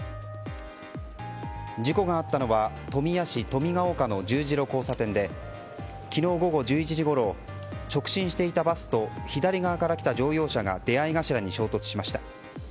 事故があったのは富谷市富ケ丘の十字路交差点で昨日午後１１時ごろ直進していたバスと左側から来た乗用車が出合い頭に衝突しました。